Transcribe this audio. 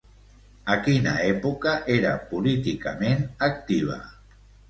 A quina època era políticament activa?